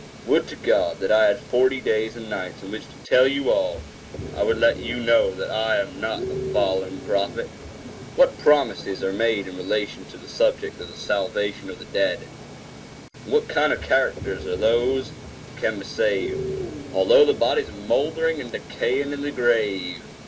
Would to God that I had forty days and nights in which to tell you all! I would let you know that I am not a "fallen prophet."11 Our Greatest Responsibility[edit] What promises are made in relation to the subject of the salvation of the dead? and what kind of characters are those who can be saved, although their bodies are mouldering and decaying in the grave?